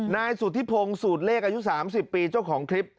นายสุธิพงศ์สูตรเลขอายุ๓๐ปีเจ้าของคลิป